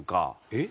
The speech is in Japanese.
えっ？